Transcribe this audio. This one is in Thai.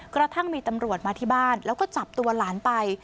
กระทั่งมีตำรวจมาที่บ้านแล้วก็จับตัวหลานไป